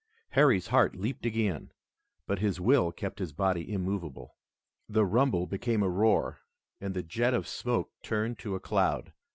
Harry's heart leaped again, but his will kept his body immovable. The rumble became a roar, and the jet of smoke turned to a cloud.